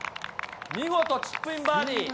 見事チップインバーディー。